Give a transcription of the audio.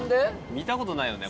見たことないよね